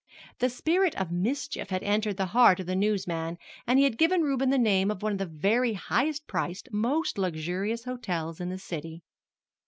The spirit of mischief had entered the heart of the news man, and he had given Reuben the name of one of the very highest priced, most luxurious hotels in the city.